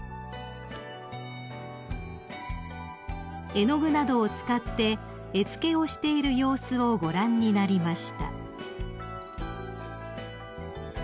［絵の具などを使って絵付けをしている様子をご覧になりました］